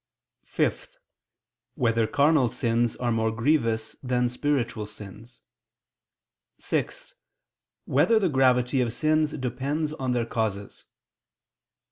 (5) Whether carnal sins are more grievous than spiritual sins? (6) Whether the gravity of sins depends on their causes?